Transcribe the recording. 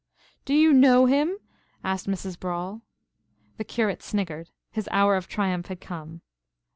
"Do you know him?" asked Mrs. Brawle. The Curate sniggered. His hour of triumph had come.